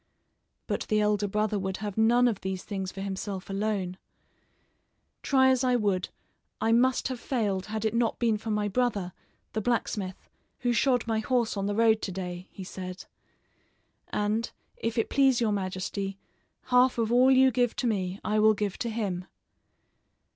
But the elder brother would have none of these things for himself alone. "Try as I would, I must have failed had it not been for my brother, the blacksmith, who shod my horse on the road to day," he said; "and, if it please your majesty, half of all you give to me I will give to him."